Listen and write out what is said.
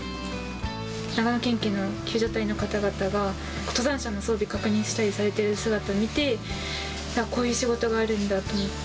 長野県警の救助隊の方々が、登山者の装備確認されたりしている姿見て、こういう仕事があるんだと思って。